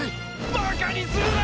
バカにするな！